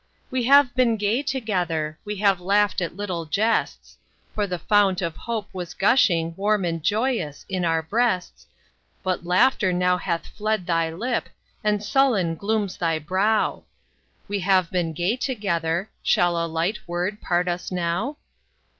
We have been gay together; We have laughed at little jests; For the fount of hope was gushing Warm and joyous in our breasts, But laughter now hath fled thy lip, And sullen glooms thy brow; We have been gay together, Shall a light word part us now?